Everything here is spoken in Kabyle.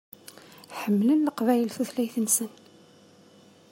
Ḥemmlen Leqbayel tutlayt-nsen.